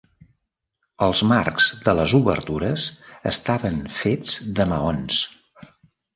Els marcs de les obertures estaven fets de maons.